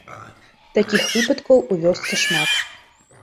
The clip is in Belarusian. Такіх выпадкаў у вёсцы шмат.